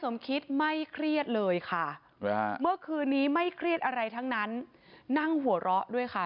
ไม่เครียดอะไรทั้งนั้นนั่งหัวเราะด้วยค่ะ